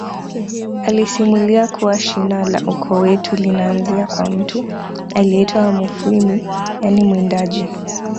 alisimulia kuwa shina la ukoo wetu linaanzia kwa mtu aliyeitwa mufwimi yaani mwindaji